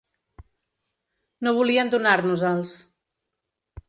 No volien donar-nos-els.